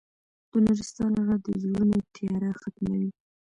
د نورستان رڼا د زړونو تیاره ختموي.